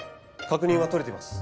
確認は取れています。